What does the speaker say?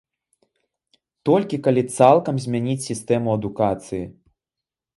Толькі калі цалкам змяніць сістэму адукацыі.